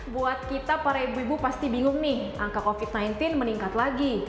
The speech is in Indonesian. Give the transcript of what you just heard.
buat kita para ibu ibu pasti bingung nih angka covid sembilan belas meningkat lagi